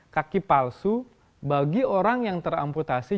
kaki palsu bagi orang yang teramputasi